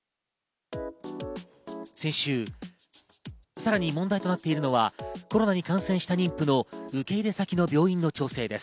さらに問題となっているのは、コロナに感染した妊婦の受け入れ先の病院の調整です。